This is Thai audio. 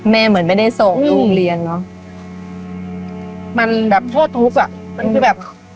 เหมือนไม่ได้ส่งลูกเรียนเนอะมันแบบโทษทุกข์อ่ะมันคือแบบ